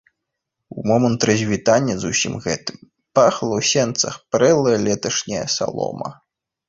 У момант развітання з усім гэтым пахла ў сенцах прэлая леташняя салома.